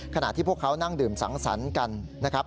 ขณะที่พวกเขานั่งดื่มสังสรรค์กันนะครับ